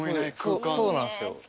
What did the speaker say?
そうなんすよ。